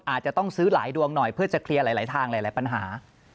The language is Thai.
อาจจะต้องซื้อหลายดวงหน่อยเพื่อจะเคลียร์หลายทางหลายปัญหา